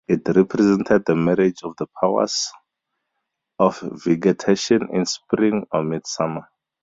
It represented the marriage of the powers of vegetation in spring or midsummer.